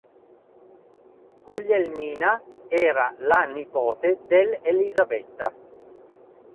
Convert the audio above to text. Guglielmina era la nipote del Elisabetta.